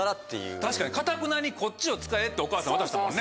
確かにかたくなにこっちを使えってお母さん渡したもんね。